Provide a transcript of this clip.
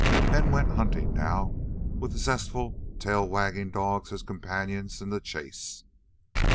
Men went hunting, now, with zestful tail wagging dogs as companions in the chase.